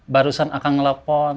barusan akan ngelapon